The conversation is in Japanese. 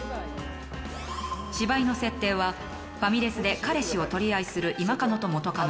芝居の設定はファミレスで彼氏を取り合いする今カノと元カノ。